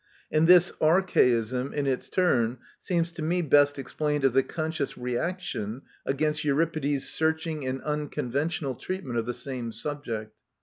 and this archaism, in its turn, seems to me best explained as a conscious reaction against Euripides^ searching and unconventional treatment of the same subject (cf.